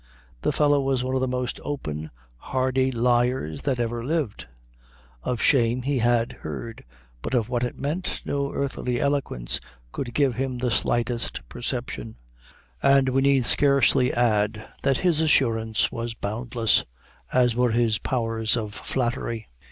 The fellow was one of the most open, hardy liars that ever lived. Of shame he had heard; but of what it meant, no earthly eloquence could give him the slightest perception; and we need scarcely add, that his assurance was boundless, as were his powers of flattery.